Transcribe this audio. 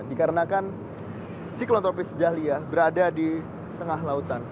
dikarenakan siklon tropis dahlia berada di tengah lautan